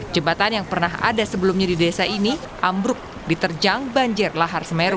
jembatan yang pernah ada sebelumnya di desa ini ambruk diterjang banjir lahar semeru